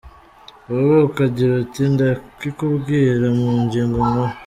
Wowe ukagira uti ndakikubwira mu ngingo nkuru.